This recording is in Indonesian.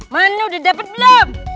mana udah dapet belum